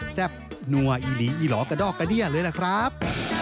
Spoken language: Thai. แซ่บนัวอีหลีอีหลอกระดอกกระเดี้ยเลยล่ะครับ